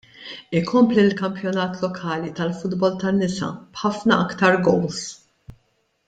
Ikompli l-kampjonat lokali tal-futbol tan-nisa, b'ħafna aktar gowls.